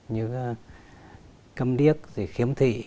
như cầm điếc khiếm thị